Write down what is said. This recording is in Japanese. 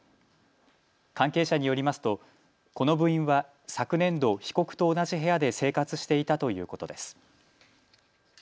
関係者によりますとこの部員は昨年度、被告と同じ部屋で生活していたということです。